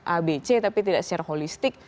abc tapi tidak secara holistik